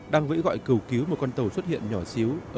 đang vẫy gọi cầu cứu một con tàu xuất hiện nhỏ xíu